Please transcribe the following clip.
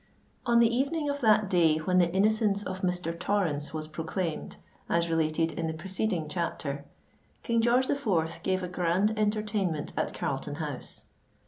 On the evening of that day when the innocence of Mr. Torrens was proclaimed, as related in the preceding chapter, King George IV. gave a grand entertainment at Carlton House.